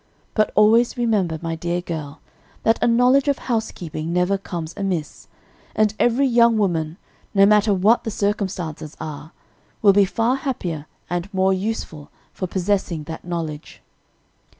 But always remember, my dear girl, that a knowledge of housekeeping never comes amiss, and every young woman, no matter what the circumstances are, will be far happier and more useful for possessing that knowledge."